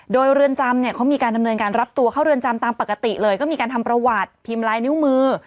โดยเรือนจำเนี่ยเขามีการดำเนินการรับตัวเข้าเรือนจำตามปกติเลยก็มีการทำประวัติพิมพ์ลายนิ้วมือ